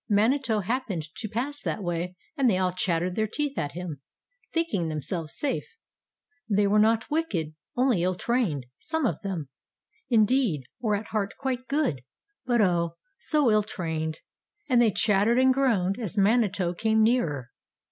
Manitou happened to pass that way and they all chattered their teeth at him, thinking themselves safe. They were not wicked, only ill trained, some of them, indeed, were at heart quite good, but, oh, so ill trained, and they chattered and groaned as Manitou came nearer.